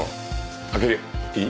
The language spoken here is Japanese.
開けていい？